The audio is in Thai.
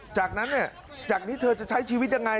จากนั้นเนี่ยจากนี้เธอจะใช้ชีวิตยังไง